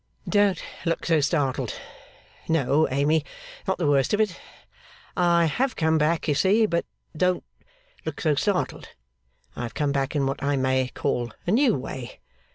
'Don't look so startled. No, Amy, not the worst of it. I have come back, you see; but don't look so startled I have come back in what I may call a new way.